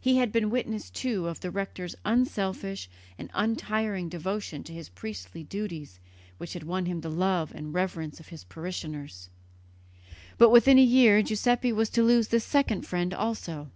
He had been witness, too, of the rector's unselfish and untiring devotion to his priestly duties which had won him the love and reverence of his parishioners; but within a year Giuseppe was to lose this second friend also.